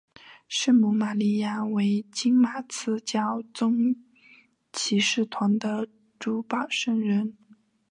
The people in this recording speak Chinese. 圣母玛利亚为金马刺教宗骑士团的主保圣人。